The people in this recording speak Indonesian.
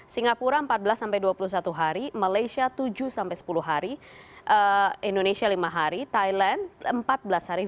singapura empat belas sampai dua puluh satu hari malaysia tujuh sampai sepuluh hari indonesia lima hari thailand empat belas hari